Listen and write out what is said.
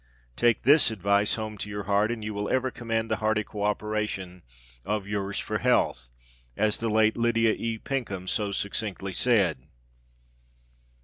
Take this advice home to your heart and you will ever command the hearty cooperation of "yours for health," as the late Lydia E. Pinkham so succinctly said.